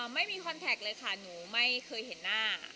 ไม่มีคอนแท็กเลยค่ะหนูไม่เคยเห็นหน้า